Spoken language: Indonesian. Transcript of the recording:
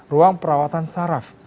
ruang perawatan saraf